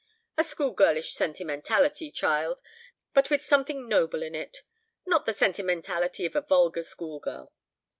A school girlish sentimentality, child, but with something noble in it; not the sentimentality of a vulgar schoolgirl.